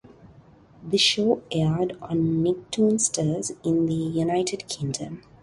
The show aired on Nicktoonsters in the United Kingdom.